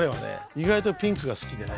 意外とピンクが好きでね